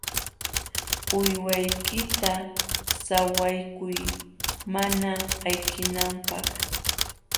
Uywaykita sawaykuy mana ayqinanpaq.